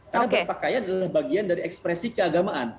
karena berpakaian adalah bagian dari ekspresi keagamaan